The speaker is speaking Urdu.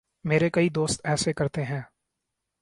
میرے کئی دوست ایسے کرتے ہیں۔